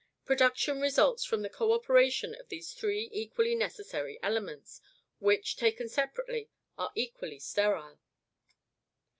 Production results from the co operation of these three equally necessary elements, which, taken separately, are equally sterile.